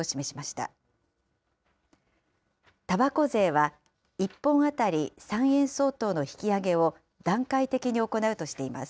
たばこ税は、１本当たり３円相当の引き上げを段階的に行うとしています。